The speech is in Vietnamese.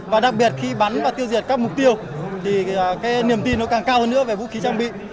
và đặc biệt khi bắn và tiêu diệt các mục tiêu thì cái niềm tin nó càng cao hơn nữa về vũ khí trang bị